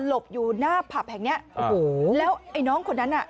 บอยู่หน้าผับแห่งเนี้ยโอ้โหแล้วไอ้น้องคนนั้นน่ะ